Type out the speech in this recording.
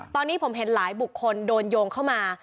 ตอนนี้ผมเห็นหลายบุคคลโดนโยงเข้ามา